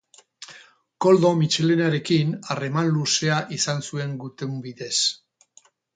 Koldo Mitxelenarekin harreman luzea izan zuen gutun bidez.